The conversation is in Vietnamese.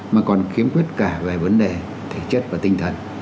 mà còn khiếm khuyết cả về vấn đề thể chất và tinh thần